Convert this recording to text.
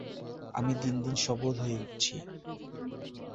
আমি দিন দিন সবল হয়ে উঠছি।